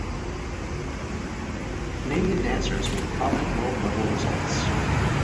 Canadian dancers made prominent world level results.